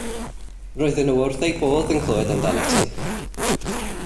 Roedden nhw wrth eu bodd yn clywed amdanat ti.